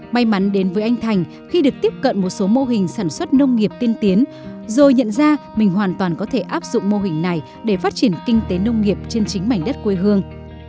may mắn đến với anh thành khi được tiếp cận một số mô hình sản xuất nông nghiệp tiên tiến rồi nhận ra mình hoàn toàn có thể áp dụng mô hình này để phát triển kinh tế nông nghiệp trên chính mảnh đất quê hương